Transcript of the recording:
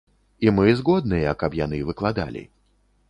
І мы згодныя, каб яны выкладалі.